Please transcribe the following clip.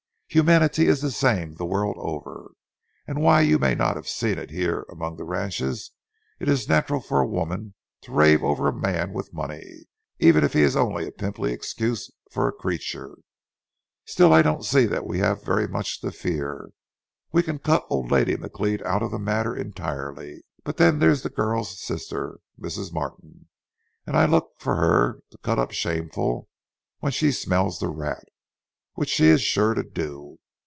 Humanity is the same the world over, and while you may not have seen it here among the ranches, it is natural for a woman to rave over a man with money, even if he is only a pimply excuse for a creature. Still, I don't see that we have very much to fear. We can cut old lady McLeod out of the matter entirely. But then there's the girl's sister, Mrs. Martin, and I look for her to cut up shameful when she smells the rat, which she's sure to do.